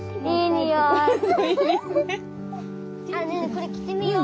これ着てみよう。